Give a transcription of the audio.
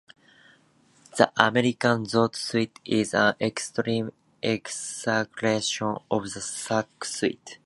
The American Zoot suit is an extreme exaggeration of the sack suit.